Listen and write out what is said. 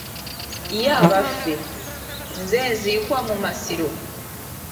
Ye abaffe, nze nziikwa mu Masiro?